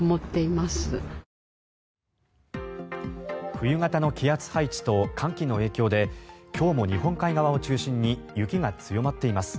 冬型の気圧配置と寒気の影響で今日も日本海側を中心に雪が強まっています。